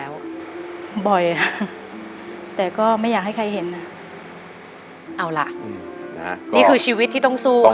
เอาล่ะนี่คือชีวิตที่ต้องสู้ค่ะ